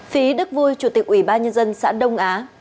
phí đức vui chủ tịch ủy ban nhân dân xã đông á